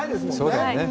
そうだよね。